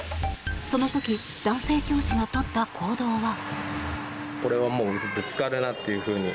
その時、男性教師がとった行動は。